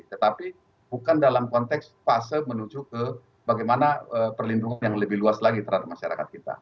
tetapi bukan dalam konteks fase menuju ke bagaimana perlindungan yang lebih luas lagi terhadap masyarakat kita